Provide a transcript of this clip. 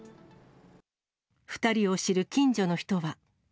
２人を知る近所の人は。